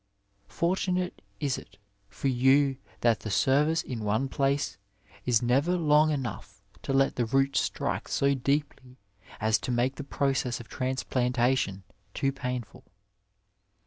Fortunate is it for you that the service in one place is never long enough to let the roots strike so deeply as to make the process of transplantation too painful.